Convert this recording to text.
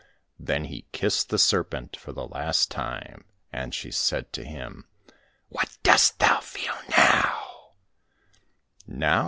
Then he kissed the Serpent for the last time, and she said to him, " What dost thou feel now